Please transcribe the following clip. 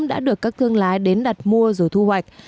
đã được các thương lái đến đặt mua rồi thu hoạch